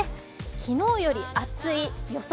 昨日より暑い予想